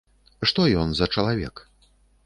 Што ён за чалавек?